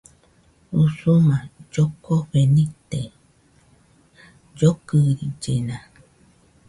Usuma llokofe nite, llokɨrillena